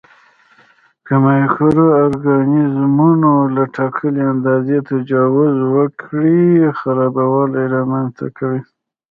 که مایکرو ارګانیزمونه له ټاکلي اندازې تجاوز وکړي خرابوالی رامینځته کوي.